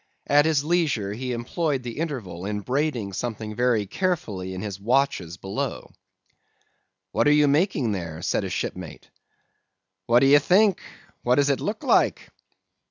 At his leisure, he employed the interval in braiding something very carefully in his watches below. "'What are you making there?' said a shipmate. "'What do you think? what does it look like?